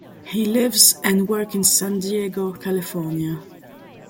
He lives and works in San Diego, California.